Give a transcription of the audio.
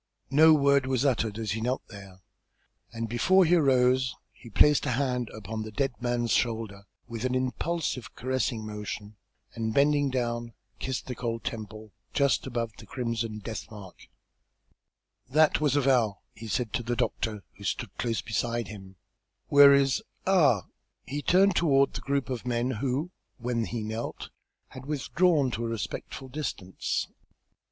No word was uttered as he knelt there, and before he arose he placed a hand upon the dead man's shoulder with an impulsive caressing motion, and bending down, kissed the cold temple just above the crimson death mark. Then, slowly, reverently, he drew the covering once more over the body and arose. "That was a vow," he said to the doctor, who stood close beside him. "Where is ah!" He turned toward the group of men who, when he knelt, had withdrawn to a respectful distance.